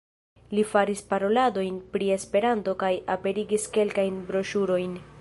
Li faris paroladojn pri Esperanto kaj aperigis kelkajn broŝurojn.